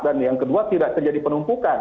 dan yang kedua tidak terjadi penumpukan